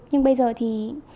nhưng bây giờ thì